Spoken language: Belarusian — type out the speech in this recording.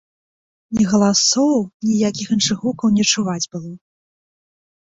Ні галасоў, ніякіх іншых гукаў не чуваць было.